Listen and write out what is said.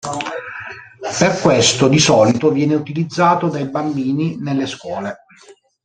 Per questo di solito viene utilizzato dai bambini nelle scuole.